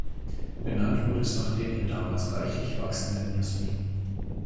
Benannt wurde es nach dem hier damals reichlich wachsenden Jasmin.